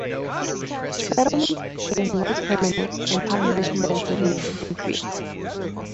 Settlements became more permanent and population densities increased.